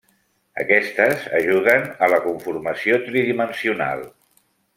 Aquestes ajuden a la conformació tridimensional.